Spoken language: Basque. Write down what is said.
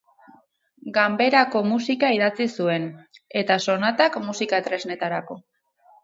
Ganberako musika idatzi zuen eta sonatak musika-tresnetarako.